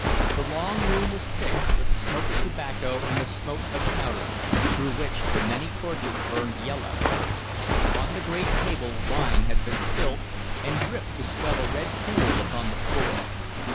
The long room was thick with the smoke of tobacco and the smoke of powder, through which the many torches burned yellow. Upon the great table wine had been spilt, and dripped to swell a red pool upon the floor.